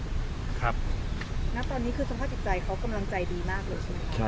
แล้วตอนนี้คือสมภัยกิจใจเขากำลังใจดีมากเลยใช่ไหมใช่